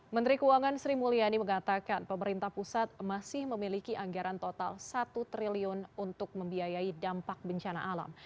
menteri keuangan sri mulyani mengatakan pemerintah pusat masih memiliki anggaran total satu triliun untuk membiayai dampak bencana alam